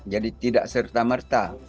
jadi tidak serta merta